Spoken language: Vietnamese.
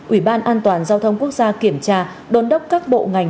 ủy ban an toàn giao thông quốc gia kiểm tra đôn đốc các bộ ngành